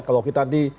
kalau kita nanti